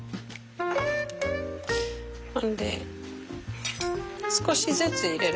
ほんで少しずつ入れる。